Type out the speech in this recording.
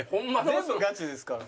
全部ガチですから。